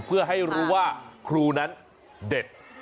เพื่อให้รู้ว่าครูนั้นเด็ด